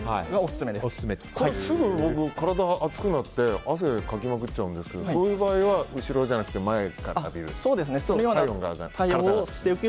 僕、すぐ体が熱くなって汗、かきまくっちゃうんですけどそういう場合は後ろじゃなくて前からでいいですか？